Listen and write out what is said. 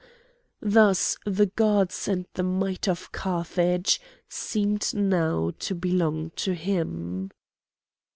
Thus the gods and the might of Carthage seemed now to belong to him.